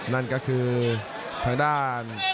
นั่นก็คือทางด้าน